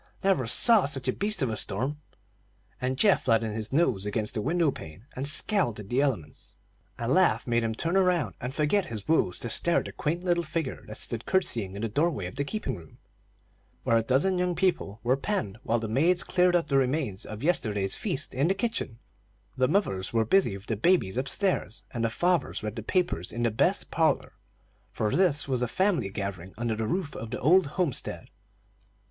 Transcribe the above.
Never saw such a beast of a storm!" and Geoff flattened his nose against the window pane and scowled at the elements. A laugh made him turn around, and forget his woes to stare at the quaint little figure that stood curtseying in the door way of the keeping room, where a dozen young people were penned while the maids cleared up the remains of yesterday's feast in the kitchen, the mothers were busy with the babies upstairs, and the fathers read papers in the best parlor; for this was a family gathering under the roof of the old homestead.